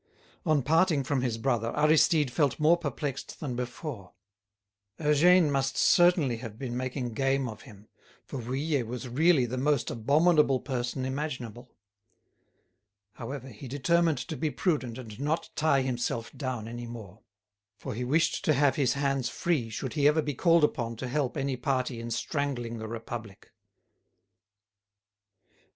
On parting from his brother, Aristide felt more perplexed than before. Eugène must certainly have been making game of him, for Vuillet was really the most abominable person imaginable. However, he determined to be prudent and not tie himself down any more; for he wished to have his hands free should he ever be called upon to help any party in strangling the Republic.